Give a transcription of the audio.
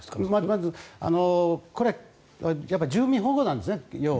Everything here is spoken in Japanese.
まず、これは要は住民保護なんですね。